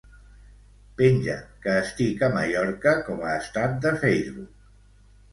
Penja que estic a Mallorca com a estat de Facebook.